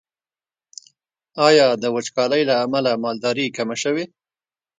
آیا د وچکالۍ له امله مالداري کمه شوې؟